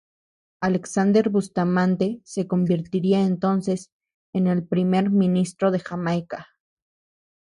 Alexander Bustamante se convertiría entonces en el primer Primer ministro de Jamaica.